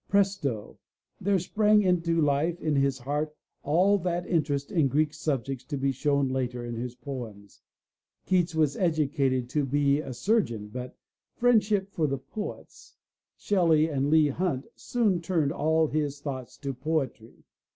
Presto! there sprang into life in his heart all that interest in Greek subjects to be shown later in his poems. Keats was educated to be a surgeon but friend ship for the poets, Shelley and Leigh Hunt, soon turned all his thoughts to poetry.